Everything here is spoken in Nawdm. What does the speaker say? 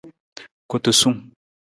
Kutusung.